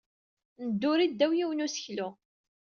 Nedduri ddaw yiwen n useklu.